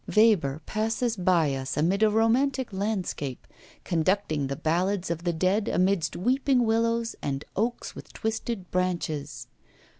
'Weber passes by us amid a romantic landscape, conducting the ballads of the dead amidst weeping willows and oaks with twisted branches.